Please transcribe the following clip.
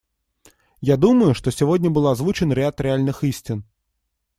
Я думаю, что сегодня был озвучен ряд реальных истин.